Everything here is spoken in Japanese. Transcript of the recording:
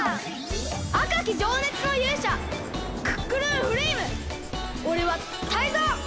あかきじょうねつのゆうしゃクックルンフレイムおれはタイゾウ！